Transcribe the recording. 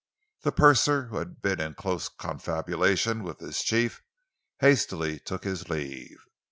The purser, who had been in close confabulation with his chief, hastily took his leave.